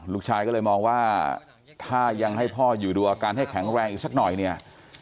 ลูกชายก็เลยมองว่าถ้ายังให้พ่ออยู่ดูอาการให้แข็งแรงอีกสักหน่อยเนี่ย